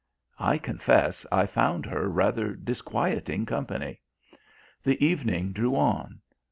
I confess I found her rather disquieting company. The evening drew on.